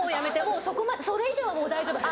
もうそこまでそれ以上はもう大丈夫！